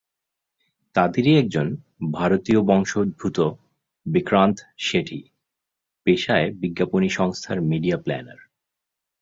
তাদেরই একজন ভারতীয় বংশোদ্ভূত বিক্রান্ত শেঠি, পেশায় বিজ্ঞাপনী সংস্থার মিডিয়া প্ল্যানার।